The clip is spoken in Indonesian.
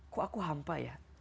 kok aku hampa ya